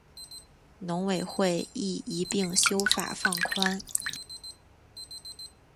农委会亦一并修法放宽